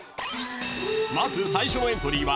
［まず最初のエントリーは］